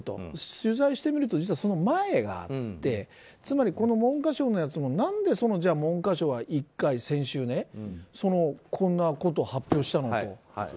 取材してみると実はその前があってつまり、文科省のやつも何で文科省は１回、先週ねこんなことを発表したのと。